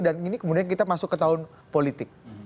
dan ini kemudian kita masuk ke tahun politik